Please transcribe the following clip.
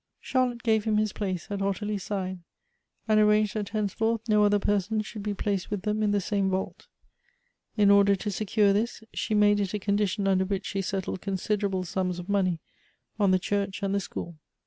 Charlotte gaveliim his place at Ottilie's side,' Elective Appinitibs. 325 and arranged that henceforth no other person should be placed with them in the same vault. In order to secure this, she made it a condition under which she settled considerable suras of money on the church and the school.